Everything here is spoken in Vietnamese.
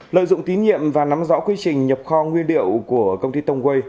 lợi dụng tín nhiệm và nắm rõ quy trình nhập kho nguyên điệu của công ty tông quây